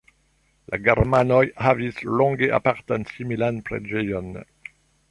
La germanoj havis longe apartan similan preĝejon.